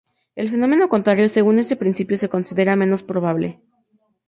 El fenómeno contrario, según este principio, se considera menos probable.